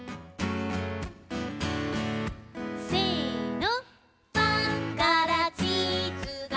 せの。